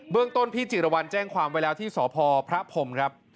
เรื่องต้นพี่จิรวรรณแจ้งความไว้แล้วที่สพพระพรมครับ